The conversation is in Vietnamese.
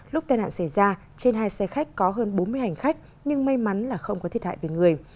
lúc tai nạn xảy ra trên hai xe khách có hơn bốn mươi hành khách nhưng may mắn là không có thiệt hại về người